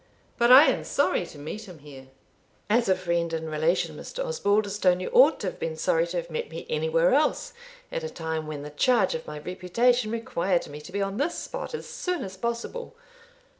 But I am sorry to meet him here." "As a friend and relation, Mr. Osbaldistone, you ought to have been sorry to have met me anywhere else, at a time when the charge of my reputation required me to be on this spot as soon as possible."